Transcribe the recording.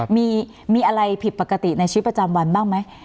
มีอะไรผิดปกติในชีวิตประจำวันบ้างไหม